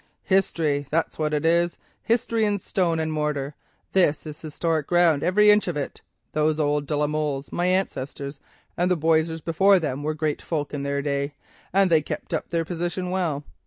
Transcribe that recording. "History—that's what it is; history in stone and mortar; this is historic ground, every inch of it. Those old de la Molles, my ancestors, and the Boisseys before them, were great folk in their day, and they kept up their position well.